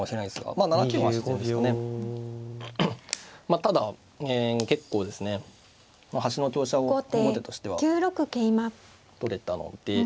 ただ結構ですね端の香車を後手としては取れたので。